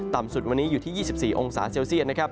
ต่ำสุดวันนี้อยู่ที่๒๔องศาเซลเซียตนะครับ